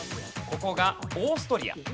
ここがオーストリア。